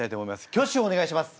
挙手をお願いします。